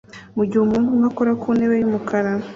mugihe umuhungu umwe akora ku ntebe yumukara